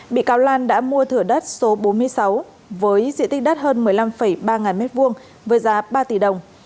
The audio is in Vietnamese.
bị cáo lan đã mua thửa đất số bốn mươi sáu với diện tích đắt hơn một mươi năm ba ngàn mét vuông với giá ba tỷ đồng